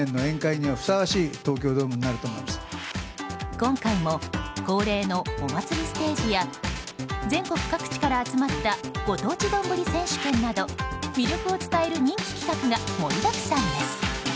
今回も恒例のお祭りステージや全国各地から集まったご当地どんぶり選手権など魅力を伝える人気企画が盛りだくさんです。